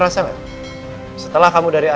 ada orang masih marah